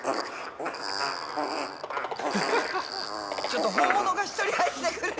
ちょっと本物が１人入ってる。